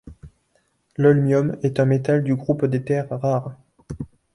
L'holmium est un métal du groupe des terres rares.